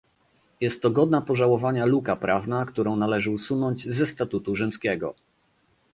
Jest to godna pożałowania luka prawna, którą należy usunąć ze statutu rzymskiego